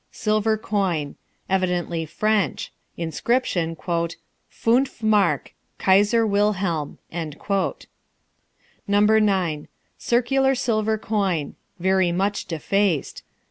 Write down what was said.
Silver coin. Evidently French. Inscription, "Funf Mark. Kaiser Wilhelm." No. 9. Circular silver coin. Very much defaced.